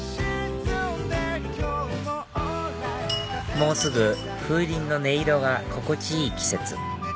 もうすぐ風鈴の音色が心地いい季節